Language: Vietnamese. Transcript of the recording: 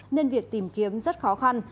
nên việc tìm kiếm rất khó khăn